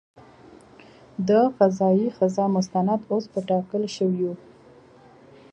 د "فضايي ښځه" مستند اوس په ټاکل شویو .